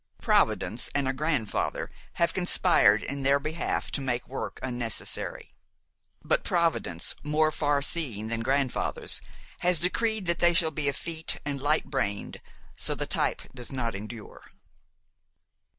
Providence and a grandfather have conspired in their behalf to make work unnecessary; but Providence, more far seeing than grandfathers, has decreed that they shall be effete and light brained, so the type does not endure.